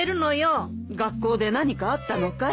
学校で何かあったのかい？